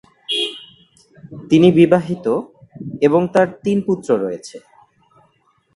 তিনি বিবাহিত এবং তার তিন পুত্র রয়েছে।